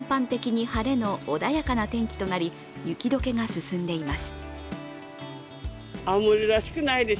青森県も全般的に晴れの穏やかな天気となり雪解けが進んでいます。